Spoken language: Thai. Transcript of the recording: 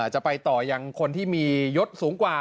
จะไปต่อยังคนที่มียศสูงกว่า